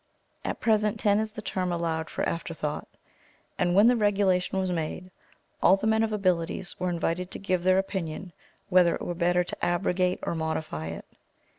At present ten is the term allowed for afterthought; and when the regulation was made, all the men of abilities were invited to give their opinion whether it were better to abrogate or modify it.